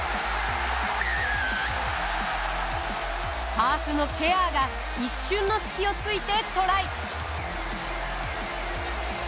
ハーフのケアーが一瞬の隙を突いてトライ。